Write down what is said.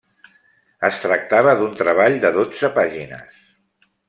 Es tractava d'un treball de dotze pàgines.